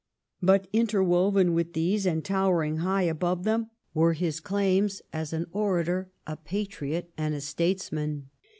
But interwoven with these and towering high above them were his claims as an orator, a patriot, and a statesman.